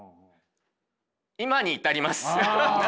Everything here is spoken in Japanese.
今に至ります。